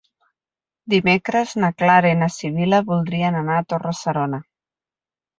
Dimecres na Clara i na Sibil·la voldrien anar a Torre-serona.